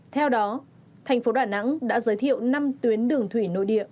theo đó thành phố đà nẵng đã giới thiệu năm tuyến đường thủy nội địa